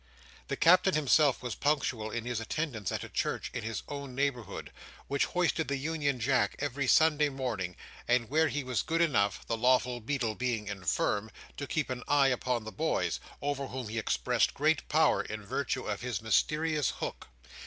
The Captain himself was punctual in his attendance at a church in his own neighbourhood, which hoisted the Union Jack every Sunday morning; and where he was good enough—the lawful beadle being infirm—to keep an eye upon the boys, over whom he exercised great power, in virtue of his mysterious hook.